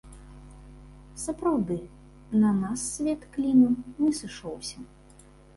Сапраўды, на нас свет клінам не сышоўся.